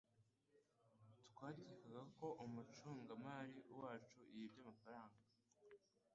Twakekaga ko umucungamari wacu yibye amafaranga.